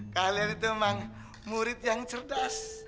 kayaknya behaviors sausages